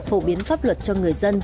phổ biến pháp luật cho người dân